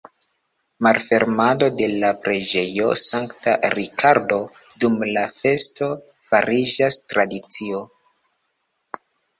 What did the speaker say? Malfermado de la preĝejo Sankta Rikardo dum la festo fariĝas tradicio.